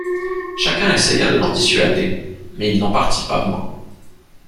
Chacun essaya de l’en dissuader mais il n’en partit pas moins.